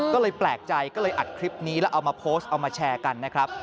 ก็เลยแปลกใจก็เลยอัดคลิปนี้แล้วเอามาโพสต์เอามาแชร์กันนะครับ